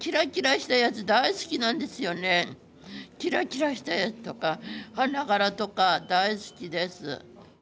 キラキラしたやつとか花柄とか大好きです。